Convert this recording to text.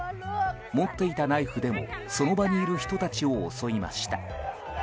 持っていたナイフでもその場にいる人たちを襲いました。